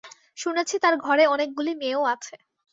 শুনেছি তার ঘরে অনেকগুলি মেয়েও আছে।